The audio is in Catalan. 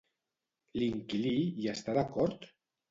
L'inquilí hi està d'acord?